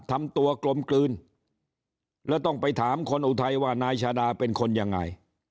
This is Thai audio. ทำตัวกลมกลืนแล้วต้องไปถามคนอุทัยว่านายชาดาเป็นคนยังไง